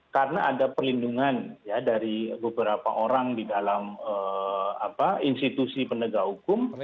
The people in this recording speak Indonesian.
karena ada perlindungan ya dari beberapa orang di dalam apa institusi penegak hukum